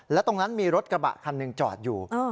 และตรงนั้นมีรถกระบะคันหนึ่งจอดอยู่